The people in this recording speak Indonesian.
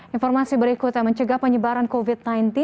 informasi berikut yang mencegah penyebaran covid sembilan belas